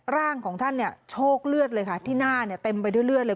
ร่างของท่านเนี่ยโชคเลือดเลยค่ะที่หน้าเนี่ยเต็มไปด้วยเลือดเลย